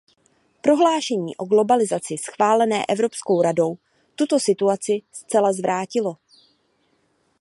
Prohlášení o globalizaci schválené Evropskou radou tuto situaci zcela zvrátilo.